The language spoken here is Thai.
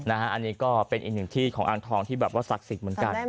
อันนี้ก็เป็นอีกหนึ่งที่ของอ่างทองที่แบบว่าศักดิ์สิทธิ์เหมือนกัน